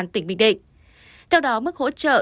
tỉnh bình định theo đó mức hỗ trợ